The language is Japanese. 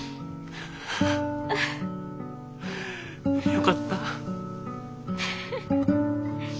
よかった。